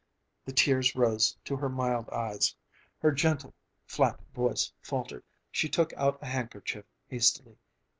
The tears rose to her mild eyes, her gentle, flat voice faltered, she took out a handkerchief hastily.